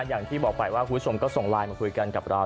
อย่างที่บอกไปว่าคุณผู้ชมก็ส่งไลน์มาคุยกันกับเรา